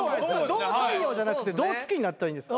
どう太陽じゃなくてどう月になったらいいんですか？